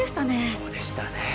そうでしたね。